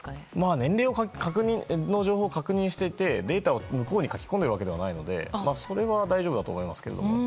年齢の情報を確認していてデータを向こうに書き込んでいるわけではないのでそれは大丈夫だと思います。